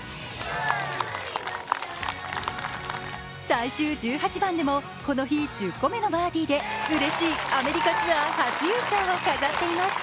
最終１８番でも、この日１０個目のバーディーでうれしいアメリカツアー初優勝を飾っています。